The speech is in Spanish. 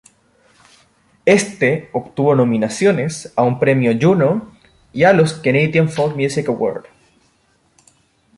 Este obtuvo nominaciones a un Premio Juno y a los Canadian Folk Music Award.